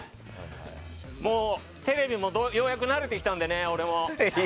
テレビもようやく慣れてきたので、俺も。